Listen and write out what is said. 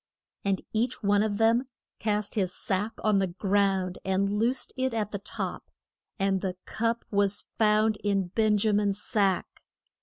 And each one of them cast his sack on the ground, and loosed it at the top. And the cup was found in Ben ja min's sack.